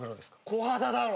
コハダだろ。